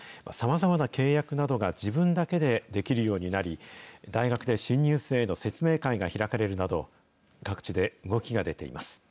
さまざまな契約などが自分だけでできるようになり、大学で新入生への説明会が開かれるなど、各地で動きが出ています。